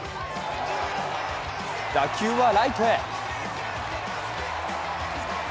打球はライトへ。